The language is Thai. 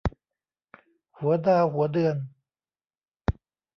หัวดาวหัวเดือน